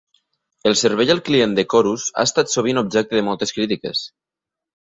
El servei al client de Chorus ha estat sovint objecte de moltes crítiques.